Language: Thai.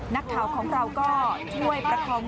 นักข่าวของเราก็ช่วยประคอง